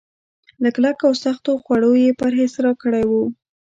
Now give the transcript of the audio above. له کلکو او سختو خوړو يې پرهېز راکړی و.